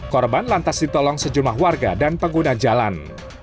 korban lantas ditolong sejumlah warga dan pengguna jalan